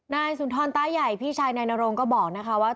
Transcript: นายสุนทรต้าใหญ่พี่ชายนายนโรงก็บอกนะคะว่า